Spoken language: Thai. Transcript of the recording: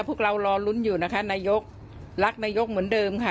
พวกเรารอลุ้นอยู่นะคะนายกรักนายกเหมือนเดิมค่ะ